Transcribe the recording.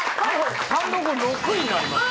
単独６位になりました。